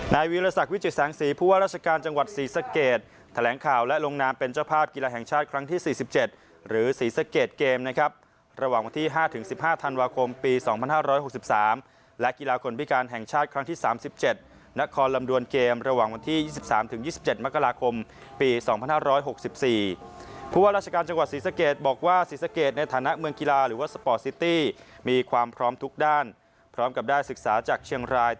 นายวิญญาณศักดิ์วิจัยแสงสีพูดว่าราชการจังหวัดศรีสะเกรดแถลงข่าวและลงนามเป็นเจ้าภาพกีฬาแห่งชาติครั้งที่สี่สิบเจ็ดหรือศรีสะเกรดเกมนะครับระหว่างวันที่ห้าถึงสิบห้าธันวาคมปีสองพันห้าร้อยหกสิบสามและกีฬาคนพิการแห่งชาติครั้งที่สามสิบเจ็ดนักคอลลำดวนเกมระ